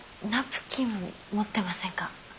ナプキン持ってませんか？